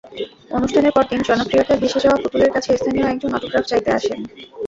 অনুষ্ঠানের পরদিন জনপ্রিয়তায় ভেসে যাওয়া পুতুলের কাছে স্থানীয় একজন অটোগ্রাফ চাইতে আসেন।